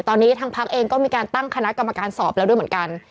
ตอนนี้ทางพักเองก็มีการตั้งคณะกรรมการสอบแล้วด้วยเหมือนกัน